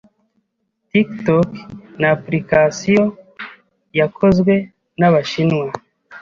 Tiktok ni application yakozwe n’Abashinwa